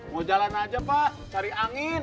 mau jalan aja pak cari angin